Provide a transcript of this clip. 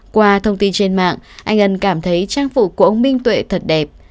qua thông tin trên mạng anh ân cảm thấy trang phục của ông minh tuệ thật đẹp